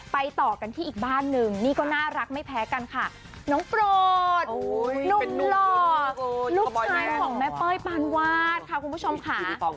ต่อกันที่อีกบ้านหนึ่งนี่ก็น่ารักไม่แพ้กันค่ะน้องโปรดหนุ่มหล่อลูกชายของแม่เป้ยปานวาดค่ะคุณผู้ชมค่ะ